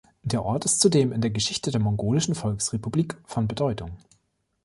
Der Ort ist zudem in der Geschichte der Mongolischen Volksrepublik von Bedeutung.